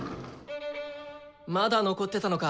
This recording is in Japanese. まだ残ってたのか。